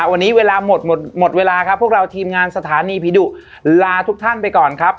วันนี้เวลาหมดหมดเวลาครับพวกเราทีมงานสถานีผีดุลาทุกท่านไปก่อนครับ